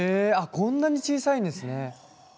こんなに小さいんですね。